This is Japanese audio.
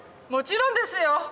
もちろんですよ。